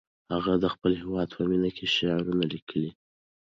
هغه د خپل هېواد په مینه کې شعرونه لیکي.